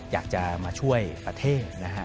อยากจะมาช่วยประเทศนะฮะ